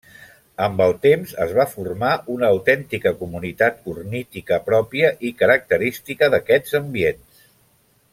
Amb el temps, es va formar una autèntica comunitat ornítica pròpia i característica d'aquests ambients.